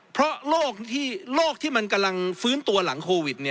เพราะโรคที่มันกำลังฟื้นตัวหลังโควิด